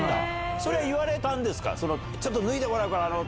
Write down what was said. それは言われたんですか？